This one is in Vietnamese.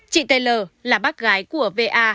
chị taylor là bác gái của va